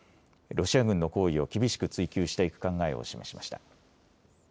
ロシア軍の行為を厳しく追及していく考えを示しました。